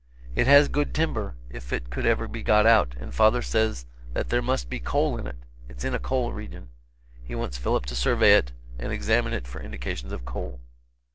"It has good timber, if it could ever be got out, and father says that there must be coal in it; it's in a coal region. He wants Philip to survey it, and examine it for indications of coal."